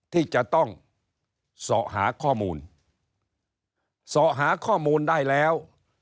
ที่จะต้องเสาะหาข้อมูลเสาะหาข้อมูลได้แล้ว